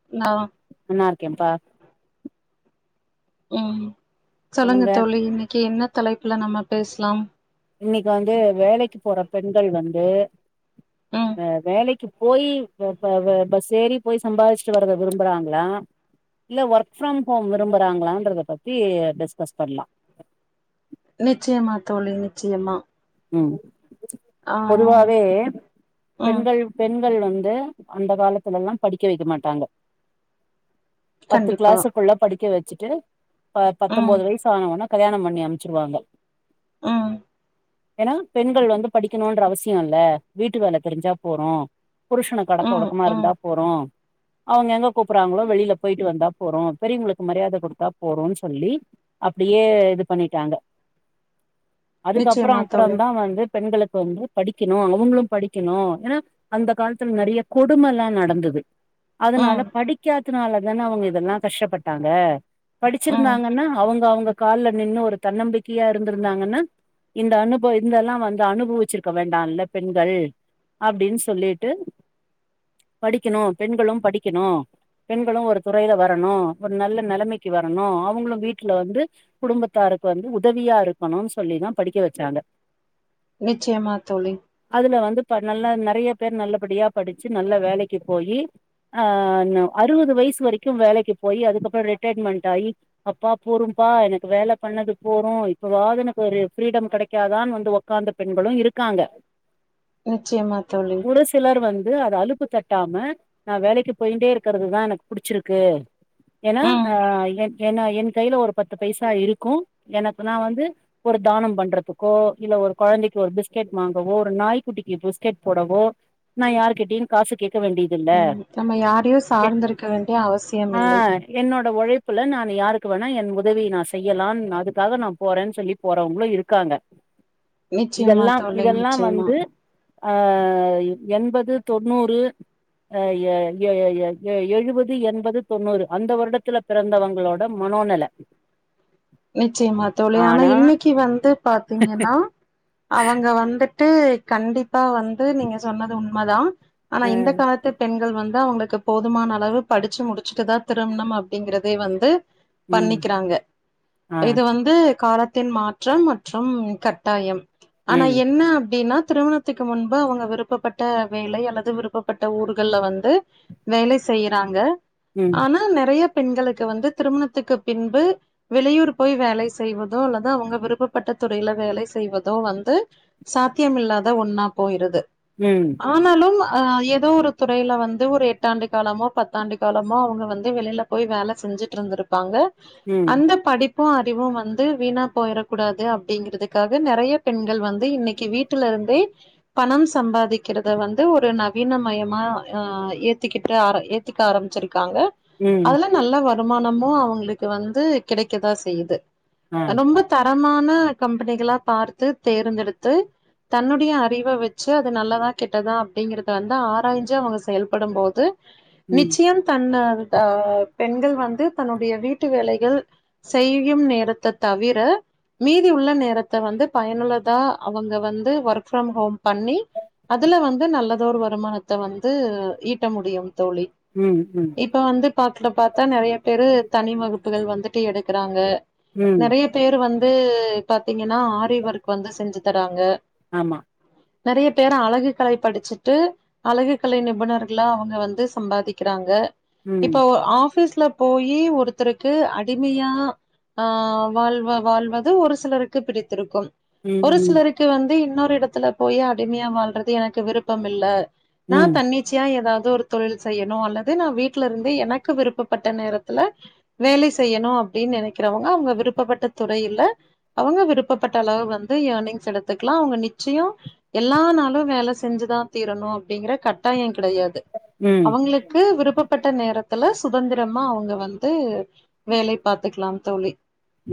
ம் நன்னா ருக்கேன்ப்பா உம் சொல்லுங்க தோழி இன்னைக்கு என்ன தலைப்புல நம்ம பேசலாம் இன்னைக்கு வந்து வேலைக்கு போற பெண்கள் வந்து ம் ஆஹ் வேலைக்கு போய் இப்ப அப்ப அப்ப பஸ் ஏறி போய் சம்பாதிச்சுட்டு வரத விரும்புறாங்களா இல்ல ஒர்க் ஃப்ரம் ஹோம் விரும்புறாங்களாங்றத பத்தி டிஸ்கஸ் பண்ணலா நிச்சயமா தோழி நிச்சயமா ம் ஆ பொதுவாவே ம் பெண்கள் பெண் ண்கள் வந்து அந்த காலத்துல எல்லா படிக்க வைக்க மாட்டாங்க பத்து கண்டிப்பா கிளாஸுக்குள்ள படிக்க வச் வச்சுட்டு ப ம் பத்தொன்பது வயசு ஆனவோன கல்யாணம் பண்ணி அமைச்சுருவாங்க உம் ஏன்னா பெண்கள் வந்து படிக்கணுன்ற அவசியம் இல்ல வீட்டு வேல தெரிஞ்சா போரு புருஷ்னுக்கு அடக்க ம் உடக்கமா ம் இருந்தா போது அவுங்க எங்க கூப்பறாங்களோ வெளியில போயிட்டு வந்தா போறோ பெரியவங்களுக்கு மரியாத கொடுத்தா போதுன்னு சொல்லி அப்டியே இது பண்ணிட்டாங்க அதுக்கப் அப்பற நிச்சயமா அப்பற தோழி தா வந்து பெண்களுக்கு வந்து படிக்கணும் அவங்களும் படிக்கணும் ஏன்னா அந்த காலத்துல நெறைய கொடுமை எல்லாம் நடந்தது அதனால ம் படிக்க த்துனாலதான அவங்க இதெல்லா கஷ்டப்பட்டாங்க ம் படிச்சிருந்தாங்கன்னா அவங்கவங்க ஒரு கால்ல நின்னு ஒரு தன்னம்பிக்கையா இருந்திருந்தாங்கன்னா இந்த அனுபவ இந்தெல்லா வந்து அனுபவிச்சிருக்க வேண்டால்ல பெண்கள் அப்டின்னு சொல்லிட்டு படிக்கணு பெண்களு படிக்கணு பெண்களு ஒரு துறையில வரணு ஒரு நல்ல நெலைமைக்கு வரணு அவங்களு வீட்டுல வந்து குடும்பத்தாருக்கு வந்து உதவியா இருக்கணு சொல்லிதா படிக்க வச்சாங்க நிச்சயமா தோழி இப்ப நல்ல நெறைய பேர் நல்லபடியா படிச்சு நல்ல வேலைக்கு போயி ஆ அறுவது வயசு வரைக்கு வேலைக்கு போய் அதுக்கப்பற ரிட்டைர்மெண்டட்டாயி அப்பா போறுப்பா எனக்கு வேல பண்ணது போறும் இப்பவாது எனக்கு ஒரு ஃப்ரீடம் கெடைக்காதான்னு வந்து ஒக்காந்து பெண்களு இருக்காங்க நிச்சயமா தோழி து அது அலப்பு தட்டாம நா வேலைக்கு போயிண்டேயிருக்கிறது தா எனக்கு புடிச்சிருக்கு ஏன்னா ம் ஆ என் ஏன்னா என் கையில ஒரு பத்து பைசா இருக்கு எனக்கு நா வந்து ஒரு தானம் பண்றதுக்கோ இல்ல ஒரு கொழந்தைக்கு ஒரு பிஸ்கெட் வாங்கவோ ஒரு நாய்க்குட்டிக்கு பிஸ்கெட் போடவோ நா யார்க்கிட்டயு காசு கேட்க வேண்டிய நம்ம யாரையு சார்ந்திருக்க வேண்டிய அவசியமில்லை புள்ள நான் யாருக்கு வேணா என் உதவியை நான் செய்யலான் அதுக்காக நா போறேன்னு சொல்லி போறவங்களு இருக்காங்க நிச்சயமா இதெல்லா தோழி இதெல்லா நிச்சயமா வந்து ஆ எண்பது தொண்ணூறு ஆ [unintelligible] எழுவது எண்பது தொண்ணூறு அந்த வருடத்துல பிறந்தவங்களோட மனோநெல நிச்சயமா தோழி ஆனா இன்னைக் இன்னிக்கு வந்து பாத்தீங்கன்னா அவங்க வந்து ட்டு கண்டிப் ப்பா வந்து நீங்க சொன்னது உண்மதா ஆனா இந்த காலத்து பெண்கள் வந் அவங்களுக்கு போதுமான அளவு படிச்சு முடிச்சுட்டு தா திருமணம் அப்டிங்கறதே வந்து ம் பண்ணிக்கிறாங்க ஆ இது வந்து காலத்தின் மாற்றம் மற்றும் கட்டாயம் ஆனா ம் என்ன அப்டின்னா திருமணத்துக்கு முன்பு அவங்க விருப்பப்பட்ட வேலை அல்லது விருப்பப்பட்ட ஊர்கள்ல வந்து வேலை செய்யறாங்க ம் ஆனா நெறைய பெண்களுக்கு வந்து திருமணத்துக்கு பின்பு வெளியூர் போய் வேலை செய்வதோ அல்லது அவங்க விருப்பப்பட்ட துறையில வேலை செய்வதோ வந்து சாத்தியம்யில்லாத ஒன்னா போயிருது ம் ஆனாலும் ஆ [unintelligible] ஏதோ ஒரு துறையில வந்து ஒரு எட்டாண்டு காலமோ பத்தாண்டு காலமோ அவங்க வந்து வெளியில போய் வேலை செஞ்சுட்டு இருந்திருப்பாங்க ம் அங்க படிப் படிப்பும் அறிவும் வந்து வீணா போயிடக்கூடாது அப்படிங்கறதுக்காக நிறைய பெண்கள் வந்து இன்னைக்கு வீட்டுல இருந் ஈ பணம் சம்பாதிக்கிறத வந்து ஒரு நவீன மயமா அ ஏத்திக்கிட்டு ஏத்துக்க ஆரம்பிச்சிருக் க்காங்க ம் அதெல்லாம் நல்லா வரும் மனமும் அவங்களுக்கு வந்து கிடைக்கதா செய்யுது ஆ நொம்ப தர தரமான கம்பெனிகளா பார்த்து தேர்ந்தெடுத்து தன்னுடைய அறிவ வச்சு அது நல்லதா கெட்டதா அப்பிடிங்கறத வந்து ஆராய்ஞ்சு அவங்க செயல்படும் போது ம் நிச்சயம் தன்ன அ பெண்கள் வந்து தன்னுடைய வீட்டு வேலைகள் செய்யும் நேரத்தத் தவிர மீதி உள்ள நேரத்த வந்து பயனுள்ளதா அவங்க வந்து ஒர்க் ஃப்ரம் ஹோம் பண்ணி அதுல வந்து நல்லதோர் வருமானத்த வந்து ஈட்ட முடியு தோழி ம் ம் இப்ப வந்து பாக்ல பாத்தா நறைய பேரு தனி வகுப்புகள் வந்து டி எடுக்குறாங்க ம் நெறைய பேர் வந் து பத் தீங்கனா ஆரிவர்க் வந்து செஞ்சு தராங்க ஆமா நறைய பேர் அழகுக் கலை படிச்சுட்டு அழகுக் கலை நிபுணர்களா அவுங்க வந்து சம்பாதிக்கிறாங்க ம் இப்போ ஆஃபீஸ் ல போயி ஒருத்தருக்கு அட் டிம்மியா ஆ வாழ்வ வாழ்வது ஒரு சிலருக்கு பிடித்திருக்கு ம் ஒரு ம் சிலருக்கு வந்து இன்னொ இடத்துல போயி அடிம்யா வாழ்றது எனக்கு விருப்பம் இல்ல நா ம் தன்னிச்யா எதாவ் து ஒரு தொழில் செய்யணு அல்லது நா வீட்டிலருந்து எனக்கு விருப்பப்பட்ட நேரத்ல வேலை செய்யணு அப்டின் நெனக்கிறவங்க அவ்ங்க விருப்பப்பட்ட துறையில அவங்க விருப்பப்பட்ட அளவு வந்து ஏனிங்ஸ் எடுத்துக்லா அவுங்க நிச்சியோ எல்லா நாளு வேல செஞ்சுதா தீரணு அப்டிங்கிற கட்டாயோ கிடையாது ம் அவங்களுக்கு விருப்பப் பட்ட நேரத்துல சுதந்திரமா அவங்க வந்து வேலை பார்த்துக்கலாம் தோழி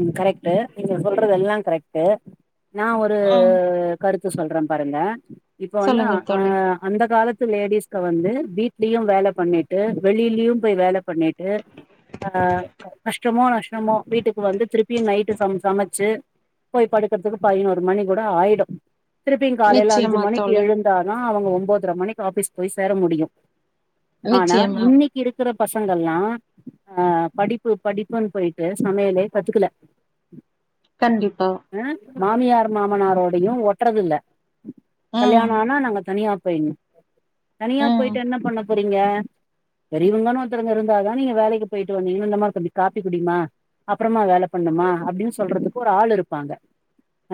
ம் கரெக்ட்டு நீங்க சொல்றது எல்லாம் கரெக்ட்டு நா ஒரு ம் கருத் த்து சொல்றேன் பாருங்க இப்ப வந்து அ சொல்லுங்க அ தோழி அந்த காலத்து லேடிஸ்க்கு வந்து வீ லியு வேல பண்ணிட்டு வெளிலியு போய் வேல பண்ணிட்டு அ கஷ்டமோ நஷ்டமோ வீட்டுக் கு வந்து திருப் பி நைட்டு சம் சமச்சு போய் படுக்கற்துக்கு பதினொரு மணி கூட ஆயிடு திருப்பியு காலேல அஞ்சு நிச்சயமா மணிக்கு தோழி எழுந்தாதா அவங்க உம்போத்ர மணிக்கு ஆஃபீஸ் போய் சேர முடியு ஆனா நிச்சயமா இன்னைக் இருக் கிற பசங்கள்லா அ படிப்பு படிப்புன் போயிட்டு சமையலே கத்துக்குல கண்டிப்பா மாமியார் மாமனாரோடையு ஒட்றது இல்ல ம் கல்யாணோ ஆனா நாங்க தனியா போய் [unintelligible] தனியா ம் போய்ட்டு என்ன பண்ண போறிங்க பெரியவங்கனு ஒருத்தங்க இருந்தா நீங்க வேலைக்கு போயிட்டு வந்தீங்னா இந்தாமா கொஞ் காப்பி குடிமா அப் அப்றமா வேல பண்ணுமா அப்டினு சொல்றதுக்கு ஒரு ஆள் இருப்பாங்க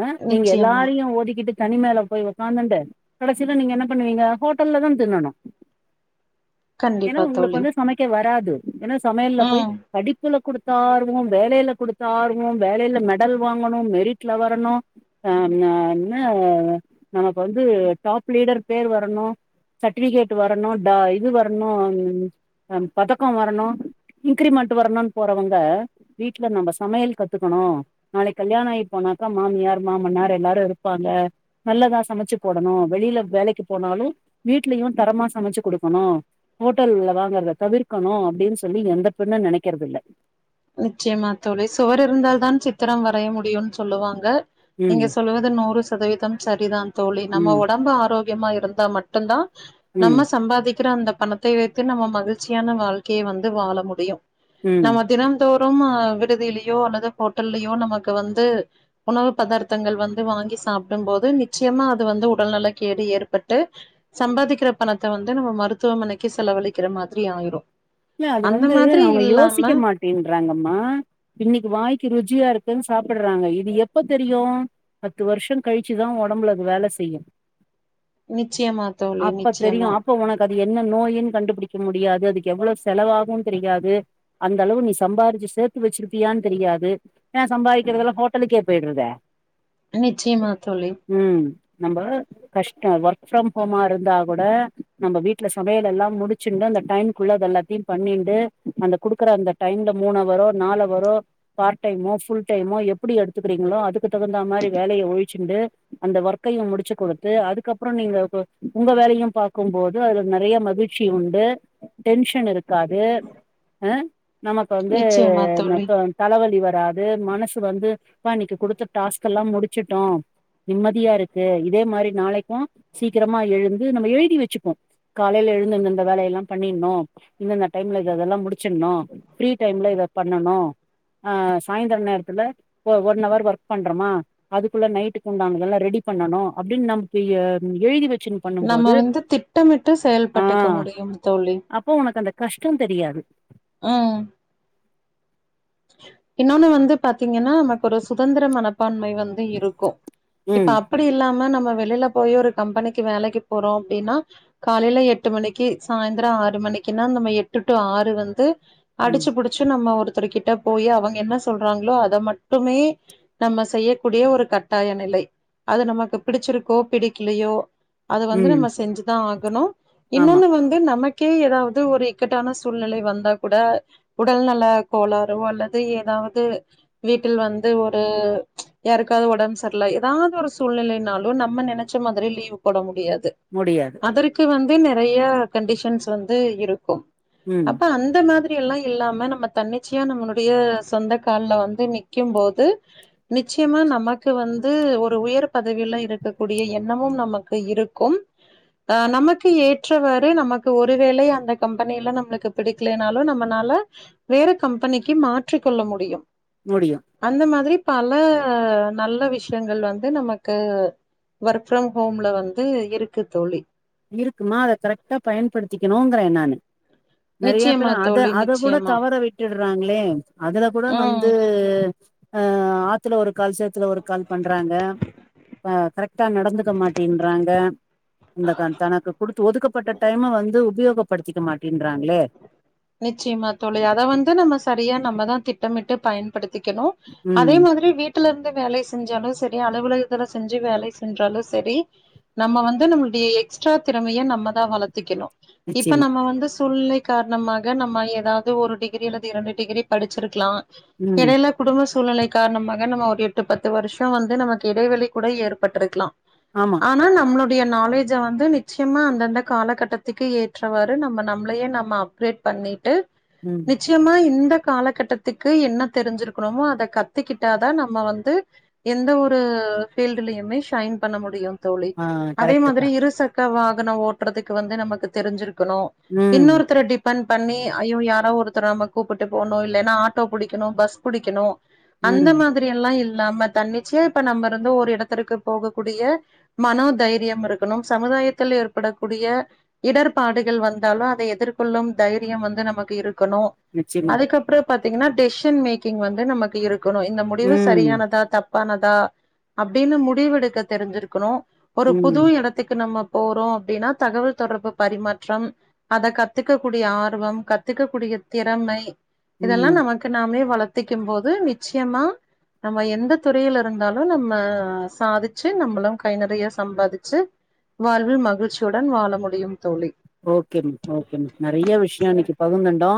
அ நீங்க நிச்சயமா எல்லாரையு ஒதிக்கிட்டு தனிமேலே போய் உக்காந்துண்டு கடசில நீங்க என்ன பண்ணுவீங்க ஹோட்டல்ல தா தின்னணு ஏன்னா கண்டிப்பா உங்குளுக்கு தோழி வந்து சமைக்க வராது [unintelligible] ஏன்னா சமையல்ல போய் ம் படிப்புல குடு [unintelligible] வேலையில கொடுத்த ஆர்வம் வேலையில மெடல் வாங்கணு மெரிட்ல வரணு அஹ் என்ன நமக்கு வந்து டாப் லீடர் பேர் வரணு சர்ட்டிபிகேட் வரணு டா இது வரணு பதக்க வரணு இன்கிரிமெண்ட் வரணுன் போறவங்க வீட்டுல நம்ம சமையல் கத்துக்கணு நாளை கல்யாண ஆயி போனாக்கா மாமியார் மாமனார் எல்லாரு இருப்பாங்க நல்லதா சமைச்சு போடணு வெளில வேலைக்கு போனாலு வீட்லயு தரமா சமைச்சு குடுக்கணு ஹோட்டல்ல வாங்கறத தவிர்க்கணு அப்படின்னு சொல்லி எந்த பெண்ணு நெனைக்கறது இல்ல நிச்சயமா தோழி சுவர் இருந்தாலா தான் சித்திரம் வரைய முடியு சொல்லுவாங்க ம் நீங்க சொல்லுவது நூறு சதவிதம் சரிதான் தோழி நம்ம ம் ஒடம்ப ஆரோ முக்கியமா இருந்தா மட்டுந்தா ம் நம்ம சம்பாதிக் அந்த பணத்தை வைத்து நம்ம மகிழ்ச்சியான வாழ்க்கைய வந்து வாழ முடியும் உம் தோறம் அஹ் விடுதியிலேயோ அல்லது ஹோட்டல்லயோ நமக்கு வந்து உணவு பதார்த்தங்கள் வந்து வாங்கி சாப்பிடும் போது நிச்சயமா அது வந்து உடல்நலக்கேடு ஏற்பட்டு சம்பாதிக்கிற பணத்த வந்து நம்ம மருத்துவமனைக்கு செலவழிக்கிற மாதிரி ஆயிரும் இல்ல அது அந்த வந்து மாதிரி நம்ம யோசிக்க இல்லாம மாட்டேங்கு ங்கம்மா இன்னைக்கு வாய்க்கு ருஜியா இருக்குன்னு சாப்பிடுறாங்க இது எப்ப தெரியு பத்து வருஷம் கழிச்சுதா ஒடம்புல அது வேல செய்யு நிச்சயமா தோழி அப்ப தெரியு நிச்சயமா அப்ப உனக்கு என்ன நோய் கண்டுபிடிக்க முடியாது அதுக்கு எவ்வளவு செலவாகுன் தெரியாது அந்த அளவு நீ சம்பாதிச்சு சேத்து வச்சிருப்பியான்னு தெரியாது ஏன் சம்பாக்கிறது எல்லாம்ஹோட்டலுேகே போய்டுறத நிச்யமா தோழி நம்ப கஷ்டோ ஒர்க் ஃப்ரம் ஹோமா இருந்தா கூட நம்ப வீட்ல சமையல் எல்லாம் முடிச்சுன்னு அந்த டைம் குள்ள அதெல்லா [unintelligible] பண்ணின்டு அந்தக் குடுக்கிற அந்த டைம்ல மூண் அவரோ நாலவரோ பார்ட் டைமோ ஃபுல் டைமோ எப்புடி எடுத்துக்கறீங்களோ அதுக்கு தகுந்த மாரி வேலயை ஒழிச்சுண்டு அந்த ஒர்க்கையு முடிச்சு கொடுத்து அதுக்கப்புறோ நீங்க உங்க வேலயு பாக்கும்போது அது நெறைய மகிழ்ச்சி உண்டு டென்ஷன் இரு க்காது அ நமக்கு வந்து நிச்சயமா தோழி. அ [unintelligible] தலைவலி வ ராது மனசு வந்து பா இன்னைக்கு குடுத்த டாஸ்க் எல்லா முடிச்சுட்டோ நிம்மதியா இருக்கு இதே மாதிரி நாளைக்கு சீக்கிரமா எழுந்து நம்ம எழுதி வச்சுப்போ காலையில எழுந்துந்தந்த வேலய எல்லா பண்ணின்னு இந்தந்த டைம்ல இத அதெல்லா முடிச்சின்ணு ஃப்ரீ டைம்ல இத பண்ணணு அ சாய்ந்தர நேரத்துல ஒ ஒன் அவர் ஒர்க் பண்றோமா அதுக்குள்ள நைட்டுக்குண்டானதுல்லா ரெடி பண்ணனு அப்டின் நம் [unintelligible] எழுதி வ நம்ம வந்து திட்டமிட்டு ஆ செயல்பட்டுக்க முடியும் தோழி கஷ்டோ தெரியாது. ம். இன்னொன்னு வந்து பாத்தீங்கன்னா நமக்கு ஒரு சுதந்திர மனப்பான்மை வந்து இருக்கு இப்ப ம் அப்படி இல்லாம நம் ம் வெளில போயி ஒரு கம்பெனிக்கு வேலைக்கு போறோ அப்டீனா காலையில எட்டு மணிக்கு சாயந்த்ர ஆறு மணிக்குன்னா நம்ம எட்டு டூ ஆறு வந்து ம் அடிச்சு புடிச்சு நம்ம ஒரு [unintelligible] க போய் அவங்க என்ன சொல்றாங்களோ அதை மட்டுமே நம்ம செய்யக்கூடிய ஒரு கட்டாய நிலை அது நமக்கு பிடிச்சிருக்கோ பிடிக்கலையோ அது வந்து ம் நம்ம செஞ்சுதான் ஆக க்கணும் ஆமா இன்னொன்னு வந்து நமக்க கே ஏதாவது ஒரு இக்கட்டான சூழ்நிலை வந்தா கூட உடல்நல கோளா அல்லது ஏதாவது வீட்டில் வந்து ஒரு யாருக்காவது உடம்பு சரியில்லை ஏதாவது ஒரு சூழ்நிலைனாலும் நம்ம நினைச்ச மாதிரி லீவு் போட முடியாது முடியாது அத மதுரைக்கு வந்து இப்பயும் நிறைய கண்டிஷன்ஸ் வந்து இருக்கும் ம் அப்ப அந்த மாதிரி. இப்படி எல்லாம் இல்லாம நம்ம தன்னி தன்னிச்சையா நம்மளுடைய சொந்த கால்ல வந்து நிற்கும்போது நிச்சயமா நமக்கு வந்து ஒரு உயர் பதவியில இருக்கக்கூடிய எண்ணமும் நமக்கு இருக்கும் அ நமக்கு ஏற்றவாறு நமக்கு ஒருவேளை அந்த கம்பெனியில நம்மளுக்கு பிடிக்கலைனாலும் நம்மளால வேற கம்பெனிக்கு மாற்றி கொள்ள முடியும் முடியு அந்த மாதிரி பல நல்ல விஷயங்கள் வந்து நமக்கு ஒர்க் ஃப்ரம் ஹோம்ல வந்து இருக்கு தோழி. இருக்கும்மா அதை கரெக்ட்டா பயன்படுத்திக்கணும் க்கறேன் நானு நிறைய நிச்சயமா பேரும் அத தோழி, அத கூட நிச்சயமா. தவற விட்டு றாங்களே அதுல கூட ம். வந்து ஆ ஆத்துல ஒரு கால் சேத் சேத்துல ஒரு கால் பண்றாங்க கரெக்டா நடந்துக்க மாட்டேன்றாங்க அந்த கொடுத்து ஒதுக்கப்பட்ட டைம வந்து உபயோகப்படுத்திக்க மாட்டேன்றாங்களே நிச்சயமா தோழி அத வந்து நம்ம சரியா நம்ம தான் திட்டமிட்டு பயன் படுத்திக்கணும் அதே ம் மாதிரி வீட்டுல எந்த வேலை செஞ்சாலும் சரி அலுவலகத்துல செஞ்சு வேலை செஞ்சாலும் சரி நம்ம வந்து நம்மளுடைய எக்ஸ்ட்ரா திறமைய நம்ம தான் வளர்த்திக்கணும் இப்ப நிச்சயமா நம்ம வந்து சூழ்நிலை காரணமாக நம்ம ஏதாவது ஒரு டிகிரி அல்லது இரண்டு டிகிரி படிச்சிருக்கலாம் ம் இடையில குடும்ப சூ சூழ்நிலை காரணமாக நம்ம ஒரு எட்டு பத்து வருஷம் வந்து நமக்கு இடைவெளி கூட ஏற்பட்டிருக்கலாம் ஆமா ஆனா நம்மளோட என்னுடைய நாலேஜ வந்து நிச்சயமா அந்தந்த காலகட்டத்துக்கு ஏற்றவாறு நம்ம நம்மளையே நம்ம அப்கிரேட் பண்ணிட்டு ம் நிச்சயமா இந்த காலகட்டத்துக்கு என்ன தெரிஞ்சிருக்கணுமோ அத கத் துக்கிட்டாதா நம்ம வந்து எந்த ஒரு ஃபீல்டலையுமே ஷைன் பண்ண முடியும் தோழி ஆ அதே மாதிரி கரெக்ட்டுப்பா இருசக்கர வா கனோ ஓட்டுறதுக்கு வந்து நமக்கு தெரிஞ்சிருக் கணு ம் இன்னொருத்தர டிப் பண்ணி ஐயோ யாரோ ஒருத்தர் நம்ம கூப்பிட்டு போணு இல்லன்னா ஆட்டோ பிடிக்கணு பஸ் புடிக்கணு அந்த ம் மாதிரி எல்லா இல் நாம தன்னிச்சைய இப்ப நம்ம இருந்த ஒரு இடத்திற்கு போகக்கூடிய மனோதைரியம் இருக்கணும் சமுதாயத்தில் ஏற்படக்கூடிய இடர்பாடுகள் வந்தாலு அத எதிர்கொள்ளும் தைரியம் வந்து நமக்கு இருக் கணு நிச்சயமா அதுக்கப்றப் பாத்தீங்கன்னா டெஷ்சன் மேக்கிங் வந்து நமக்கு இருக் கணு இந்த முடிவு ம் சரியானதா தப் பானதா அப்டின்னு முடிவெடுக்க தெரிஞ்சிருக்கணு ஒரு ம் புது எடத்துக்கு நம்ம போறோ அப்படினா தகவல் தொடர்பு பரிமாற்றம் அத கத்துக்க கூடிய ஆர்வம் கத்துக்க கூடிய திறமை இதெல்லா ம் நமக்கு நாமே வளத் த்திக்கும் போது நிச்சயமா நம்ம எந்த துறைல இருந்தாலு நம்ம சாதிச்சு நம்மளு கை நறைய சம்பாதிச்சு வாழ்வில் மகிழ்ச்சியுடன் வாழ முடியும் தோழி ஓகேமா ஓகேமா நறைய விஷயோ இன்னைக்கு பகந்துண்டோ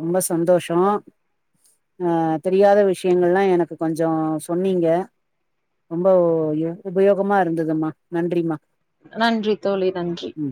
ரொம்ப சந்தோஷோ அ தெரியாத விஷயங்கள்லா எனக்கு கொஞ்சோ சொன்னீங்க ரொம்ப உபயோகமா இருந்ததும்மா நன்றிம்மா நன்றி தோழி நன்றி ம்